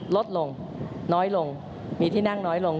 ลดลงน้อยลงมีที่นั่งน้อยลง